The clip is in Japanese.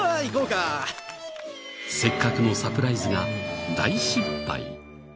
せっかくのサプライズが大失敗。